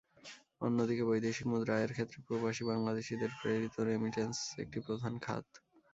অন্যদিকে বৈদেশিক মুদ্রা আয়ের ক্ষেত্রে প্রবাসী বাংলাদেশিদের প্রেরিত রেমিট্যান্স একটি প্রধান খাত।